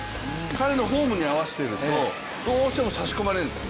彼のフォームに合わせてるとどうしても差し込まれるんです。